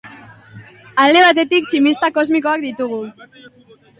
Alde batetik, tximista kosmikoak ditugu.